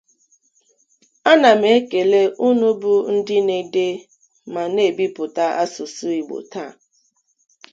Ana m ekele ụnụ bụ ndị na-ede ma na-ebipụta asụsụ Igbo taa